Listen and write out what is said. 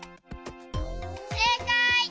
せいかい！